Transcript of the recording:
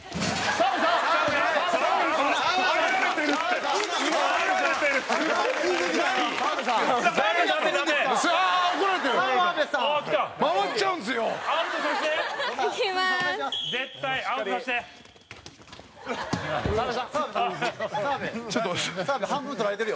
澤部、半分取られてるよ。